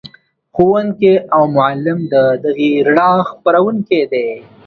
ښوونکی او معلم د دغې رڼا خپروونکی دی.